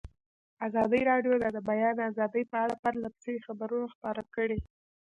ازادي راډیو د د بیان آزادي په اړه پرله پسې خبرونه خپاره کړي.